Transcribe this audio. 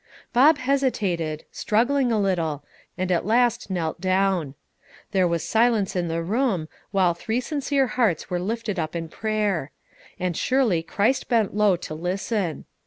Bob hesitated, struggling a little, and at last knelt down. There was silence in the room, while three sincere hearts were lifted up in prayer; and surely Christ bent low to listen.